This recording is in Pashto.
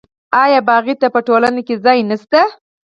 آیا باغي ته په ټولنه کې ځای نشته؟